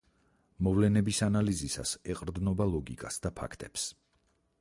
მოვლენების ანალიზისას ეყრდნობა ლოგიკას და ფაქტებს.